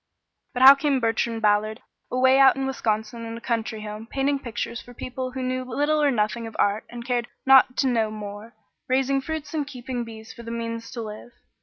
But how came Bertrand Ballard away out in Wisconsin in a country home, painting pictures for people who knew little or nothing of art, and cared not to know more, raising fruits and keeping bees for the means to live?